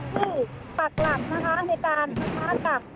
ที่ปักหลังนะคะในการประมาณกับ